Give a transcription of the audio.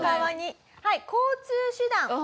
はい交通手段。